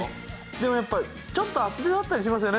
でもやっぱちょっと厚手だったりしますよね